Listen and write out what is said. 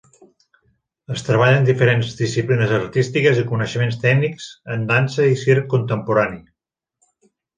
Es treballen diferents disciplines artístiques i coneixements tècnics en dansa i circ contemporani.